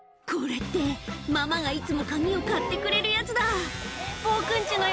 これって、ママがいつも髪を刈ってくれるやつだ。